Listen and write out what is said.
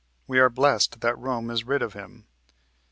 We are blessed that Rome is rid of him....